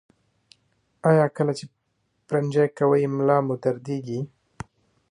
ایا کله چې پرنجی کوئ ملا مو دردیږي؟